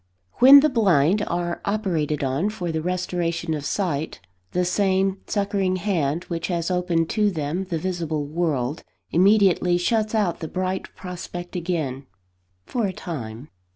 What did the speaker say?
WHEN the blind are operated on for the restoration of sight, the same succouring hand which has opened to them the visible world, immediately shuts out the bright prospect again, for a time.